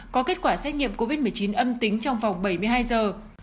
có kết quả xét nghiệm covid một mươi chín âm tính trong vòng bảy mươi hai giờ